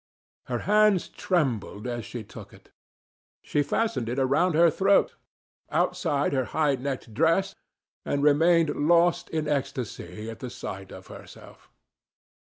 Her hands trembled as she took it. She fastened it around her throat, outside her high necked dress, and remained lost in ecstasy at the sight of herself.